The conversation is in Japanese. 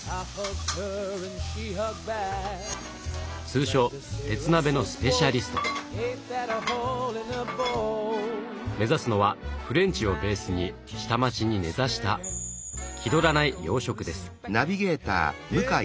通称目指すのはフレンチをベースに下町に根ざした気取らない洋食です。